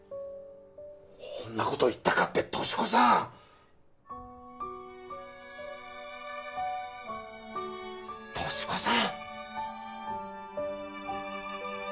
ほんなこと言ったかって俊子さん・俊子さん！